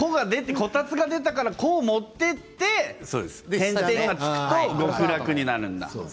こたつが出たから「こ」を持っていって点々がつくと極楽になるんだ。